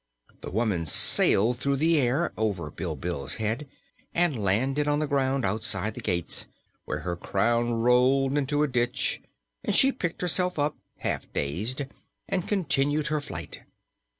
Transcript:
The woman sailed through the air, over Bilbil's head, and landed on the ground outside the gates, where her crown rolled into a ditch and she picked herself up, half dazed, and continued her flight.